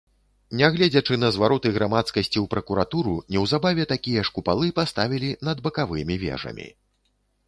Нягледзячы на звароты грамадскасці ў пракуратуру, неўзабаве такія ж купалы паставілі над бакавымі вежамі.